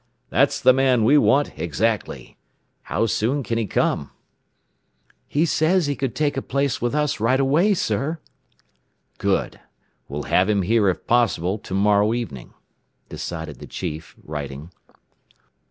"That's the man we want exactly. How soon can he come?" "He says he could take a place with us right away, sir." "Good. We'll have him there if possible to morrow evening," decided the chief, writing.